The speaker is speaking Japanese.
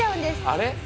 あれ？